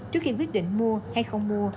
trước khi quyết định mua hay không mua